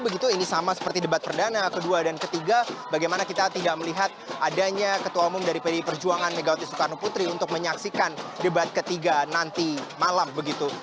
begitu ini sama seperti debat perdana kedua dan ketiga bagaimana kita tidak melihat adanya ketua umum dari pdi perjuangan megawati soekarno putri untuk menyaksikan debat ketiga nanti malam begitu